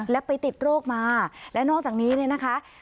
และไปติดโรคมาและนอกจากนี้เนี่ยนะคะ